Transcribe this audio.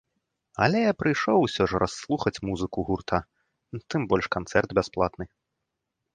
Але прыйшоў усё ж расслухаць музыку гурта, тым больш канцэрт бясплатны.